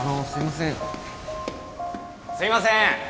すいません！